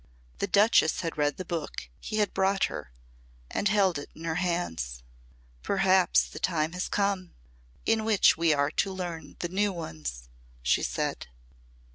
The Duchess had read the book he had brought her and held it in her hands. "Perhaps the time has come, in which we are to learn the new ones," she said.